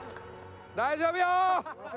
大丈夫よ！